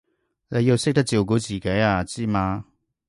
你要識得照顧自己啊，知嘛？